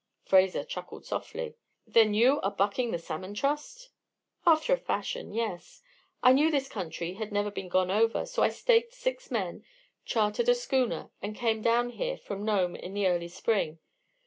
Fraser chuckled softly. "Then you are bucking the Salmon Trust?" "After a fashion, yes. I knew this country had never been gone over, so I staked six men, chartered a schooner, and came down here from Nome in the early spring.